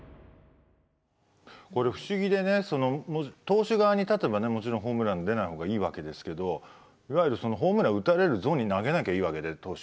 これ不思議でね投手側に立てばねもちろんホームラン出ない方がいいわけですけどいわゆるホームラン打たれるゾーンに投げなきゃいいわけで投手はね。